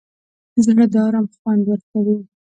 زړه د ارام خوند ورکوي.